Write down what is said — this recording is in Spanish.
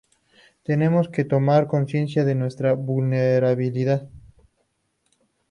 tenemos que tomar conciencia de nuestra vulnerabilidad